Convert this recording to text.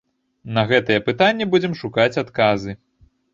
На гэтыя пытанні будзем шукаць адказы.